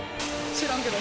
知らんけど。